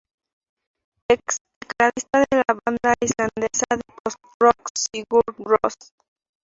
Ex-tecladista de la banda islandesa de post-rock Sigur Rós.